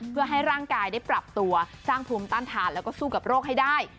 เพื่อให้ร่างกายได้ปรับตัวสร้างภูมิต้านทานแล้วก็สู้กับโรคให้ได้